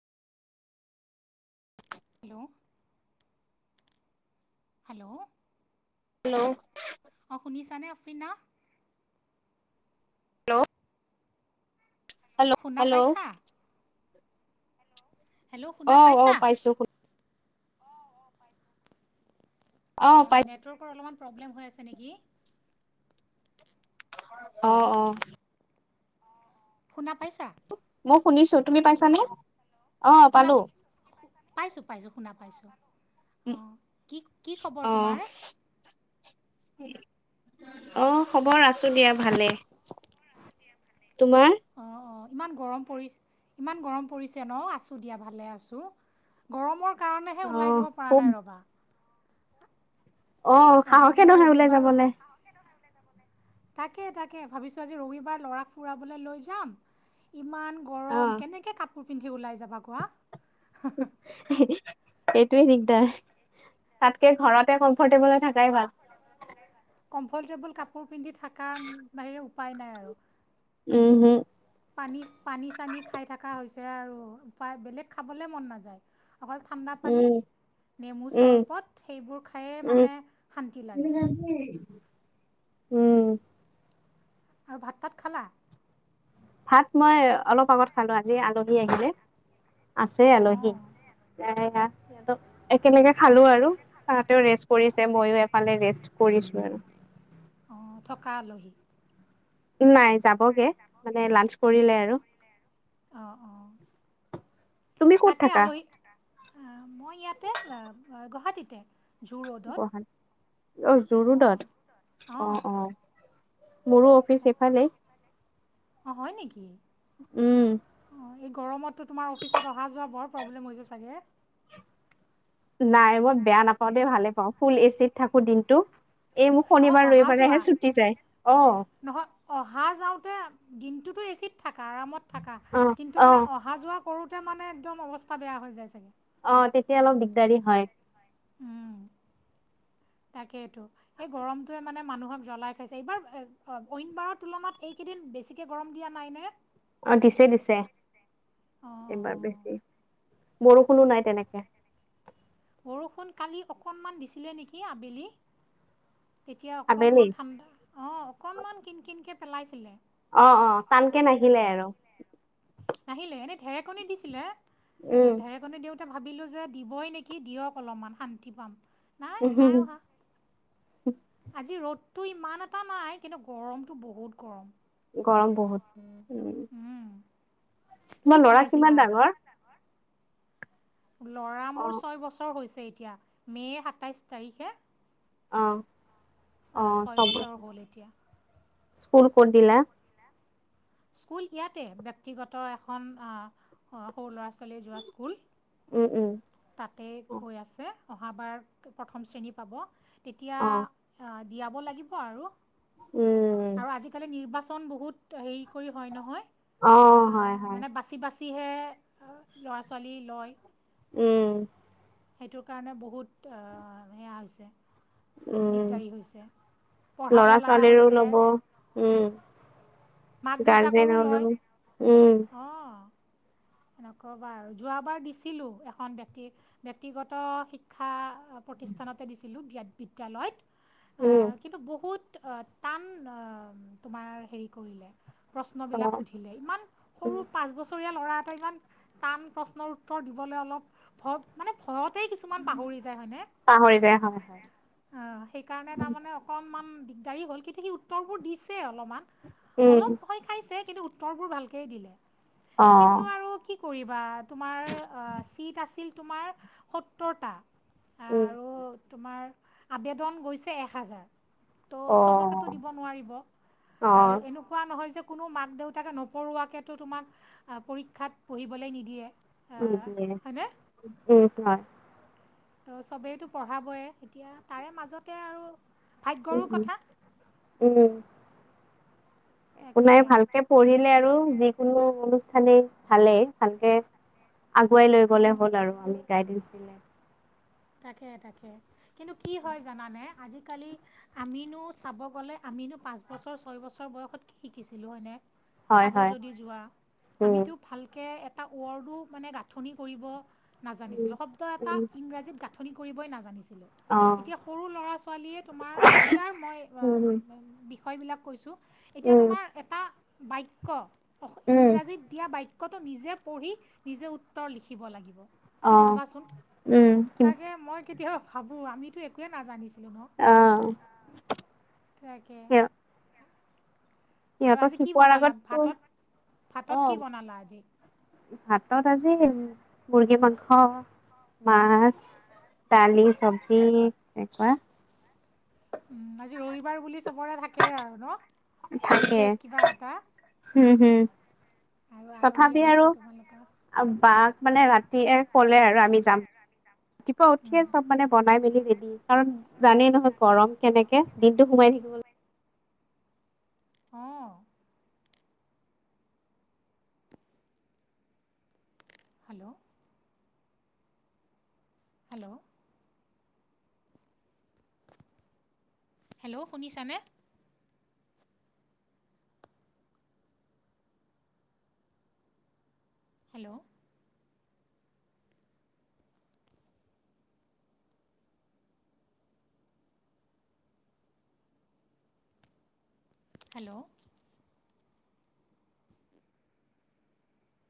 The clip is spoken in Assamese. হেল্ল' হেল্ল' হেল্ল' অ শুনিছানে আফিনা হেল্ল' শুনা হেল্ল' পাইছা হেল্ল' শুনা অ অ পাইছা পাইছো শু অ নেটৱৰ্কৰ অলপমান প্ৰব্লেম হৈ আছে নেকি অ হেল্ল' অ শুনা পাইছা মই শুনিছো তুমি পাইছানে অ পালো পাইছো পাইছো শুনা পাইছো অ কি কি খবৰ তোমাৰ অহ খবৰ আছো দিয়া ভালে আ ভালে তোমাৰ ইমান গৰম পৰি ইমান গৰম পৰিছে ন আছো দিয়া ভালে আছো গৰমৰ কাৰণেহে ওলাই অ' যাব পৰা খুব নাই ৰবা অ আজি সাহসে বোলো নহয় ওলাই ৰবিবাৰ ৰবি যাবলে তাকে তাকে ভাবিছো আজি ৰবিবাৰ লৰাক ফুৰাবলৈ লৈ যাম কিমান গৰম অ' কেনেকৈ কাপোৰ পিন্ধি ওলাই যাবা কোৱা এইটোৱে দিগদাৰ তাতকে ঘৰত কমফৰ্টেবল থাকাই ভাল কমফৰ্টেবল কাপোৰ পিন্ধি থকাৰ বাহিৰে উপায় নাই আৰু উম হম পানী পানী চানী খাই থকা হৈছে আৰু বেলেগ খাবলে মন নাযায়। অকল ঠাণ্ডা পানী উম নেমু উম চৰবত সেইবোৰ খায়েইে উম। মানে শান্তি লাগে। উম আৰু ভাত তাত খালা? ভাত মই অলপ আগত খালো আজি আলহী আহিলে। আছে আলহী অঁ সিহঁতক একেলগে খালো আৰু। ৰেষ্ট কৰিছে ময়ো এফালে ৰেষ্ট কৰিছো আৰু। কালহি নাই যাবগে মানে লাঞ্চ কৰিলে আৰু অঁ অঁ তুমি ক'ত তাকে থাকা আলহী মই ইয়াতে গুৱাহাটীতে জু ৰোডত গুৱাহাটী অ অঁ জুৰুডত অ অঁ অ মোৰো অফিচ এইফালে অ হয় নেকি উম অঁ এই গৰমততো তোমাৰ অফিচত অহা যোৱা বৰ প্ৰব্লেম হৈছে চাগে নাই মই বেয়া নাপাওঁ দেই ভালে পাওঁ ফুল এচিত থাকো দিনটো। এই মোক নহয় শনিবাৰ অহা ৰবিবাৰে হে যোৱা ছুটি যায় অ নহয় অহা যাওঁতে দিনটোতো এচিত থাকা আৰামত থাকা অ কিন্তু অ মানে অহা যোৱা সৰুতে মানে একদম অৱস্থা বেয়া হৈ যায় চাগে অ তেতিয়া অলপ দিগদাৰি হয়। তাকে এইটো এই গৰমটোৱে মানে মানুহক জ্বলাই খাইছে এইবাৰ অইন বাৰৰ তুলনাত এইকেইদিন বেছিকে গৰম দিয়া নাই নে? অ দিছে দিছে এইবাৰ অঁ বেছি। বৰষুণো নাই তেনেকে বৰষুণ কালি অকণমান দিছিলে নেকি আবেলি তেতিয়া আবেলি অকণমান ঠাণ্ডা অ অকণমান কিন কিনকৈ পেলাইছিলে। অ অ টানকে নাহিলে আৰু নাহিলে এনে ঢেৰেকণ দিছিলে উম ঢেৰেকণ দে- ভাবিলো যে দিবই নেকি দিয়ক অলপমান শান্তি পাম। নাই উম হম নাই হম অহা তো ইমান এটা নাই কিন্তু গৰমটো বহুত গৰম উম বহুত উম কি তোমাৰ লৰা বনাইছিলা কিমান আজি ডাঙৰ ল'ৰা অ মোৰ ছয় বছৰ হৈছে এতিয়া মে'ৰ সাতাইছ তাৰিখে অ অ ছয় বছৰ হ'ল এতিয়া স্কুল কত দিলা? স্কুল ইতে ব্যক্তিগত এখন সৰু লৰা-ছ- কলে যোৱা স্কুল উম উম তাতে অ গৈ আছে অহাবাৰ প্ৰথম শ্ৰেণী পাব তেতিয়া অ দিয়াব লাগিব আৰু উম আৰু আজিকালি নিৰ্বাচন বহুত হেৰি কৰি হয় অ নহয় হয় হয় মানে বাচি বাচ- যিহে ল'ৰা ছোৱালী লয় উম সেইটোৰ কাৰণে বহুত সেয়া হৈছে উম দিগদাৰী হৈছে পঢ়াব লৰা লগা ছোৱালীৰো হৈছে লব উম মাক দেউতাকৰো লয় গাৰ্জেননৰো উম অঁ নকবা আৰু যোৱাবাৰ দিছিলোঁ এখন ব্যক্তি ব্যক্তিগত শিক্ষা প্ৰতিষ্ঠানতে দিছিলোঁ দিয়াত বিদ্যালয়ত উম আহ, কিন্তু বহুত আ টান আ তোমাৰ হেৰি কৰিলে। অ প্ৰশ্নবিলাক সুধিলে, ইমান সৰু উম পাঁচ বছৰীয়া ল'ৰা ত ইমান টান প্ৰশ্নৰ উত্তৰ দিবলৈ অলপ ভব মানে ঘৰতে কিছুমান পাহৰি যায় হয়নে? পাহৰি যায় হয় হয় অ সেইকাৰণে তাৰমানে অকনমান দিগদাৰী হ'ল কিন্তু সি উত্তৰবোৰ দিছে অলপমান, উম অলপ ভয় খাইছে কিন্তু উত্তৰবোৰ ভালকেই দিলে। অ কিন্তু আৰু কি কৰিবা তোমাৰ আ চিট আছিল তোমাৰ সত্তৰটা। উম। আৰ আবেদন গৈছে এক হাজাৰ। ত' অ চবকেতো দিব নোৱাৰিব অ আৰু এনেকুৱা নহয় যে কোনো মাক -দেউতাকে নপঢ়োঁৱাকেতো তোমাক পৰীক্ষাত পঢ়িবলৈ নিদিয়ে। হয়নে উ [inaudible] সছ ত' চবেইতো পঢ়াবয়ে, এতিয়া তাৰে মাজতে আৰু উম ভাগ্যৰো উম কথা। একো তাকে নাই ভালকে পঢ়িলে আৰু যিকোনো অনু ঠানেই ভালেই, ভালকে আগুৱাই লৈ গলে হ'ল আৰু আমি গাইডেনচ দিলে। তাকে তাকে কিন্তু কি হয় জানানে আজিকালি আমিনো চাব গ'লে আমিনো পাঁচ বছৰ ছয় বছৰ বয়সত কি শিকিছিলোঁ হয়নে? হয় চাব হয় যদি যোৱা উম আমিতো ভালকে এট- এটা ৱৰ্ডো মানে গাঁঠনি কৰিব নাজানিছিলোঁ, শব্দ এটা উম উম ইংৰাজীত গাঁ নি কৰিবই নাজানিছ অ এতিয়া সৰু লৰা -ছোৱালীয়ে তোমাৰ এতিয়াৰ মই আ উম হুম বি বিষয়বিলাক কৈছোঁ, এতিয়া উম তোমাৰ এটা বাক্য অস উম ইংৰাজীত দিয়া বাইক কত নিজে পঢ়ি, নিজে উত্তৰ লিখিব লাগিব। অ তুমি ভাবাচোন উম। তাকে মই কেতিয়াবা ভাবো, আমিতো একোৱেই নাজানিছিলোঁ ন। অ তাকে। সিহ আৰু সিহঁতক আজি কি শিকোৱাৰ বনালা আগততো ভাতত? অ ভাতত কি বনালা আজি? ভাতত আজি মুৰ্গী মাংস। মাছ, দালি, চবজি এনেকুৱা উম, আজি ৰবিবাৰ বুলি চবৰে থাকেই আৰু ন। থাকে বিশেষ কিবা এটা উম হুম। আৰু আলহী তথাপি আহিছে আৰু তোমালোকৰ বাঘ মানে ৰাতিয়ে ক'লে আৰু আমি যাম। ৰাতিপুৱা উম। উঠিয়ে চব মানে বনাই মেলি ৰেডি কাৰণ জানেই নহয় গৰম কেনেকে, দিনটো সোমাই থাকিব লে অ। হেল্ল'! হেল্ল'! হেল্ল' শুনিছানে? হেল্ল'! হেল্ল'!